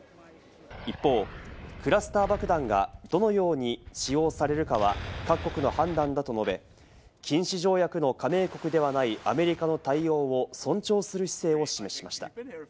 一方、クラスター爆弾がどのように使用されるかは各国の判断だと述べ、禁止条約の加盟国ではないアメリカの対応を尊重する姿勢を示しました。